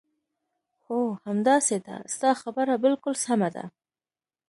هو، همداسې ده، ستا خبره بالکل سمه ده.